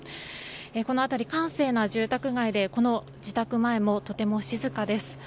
この辺り閑静な住宅街でこの自宅前も、とても静かです。